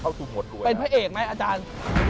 เข้าสู่หมวดรวยแล้วเป็นพระเอกไหมอาจารย์